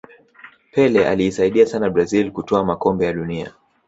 pele aliisaidia sana brazil kutwaa makombe ya dunia